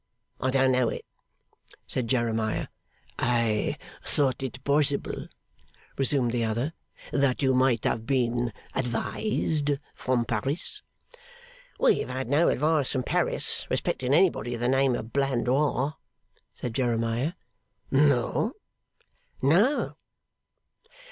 I don't know it,' said Jeremiah. 'I thought it possible,' resumed the other, 'that you might have been advised from Paris ' 'We have had no advice from Paris respecting anybody of the name of Blandois,' said Jeremiah. 'No?' 'No.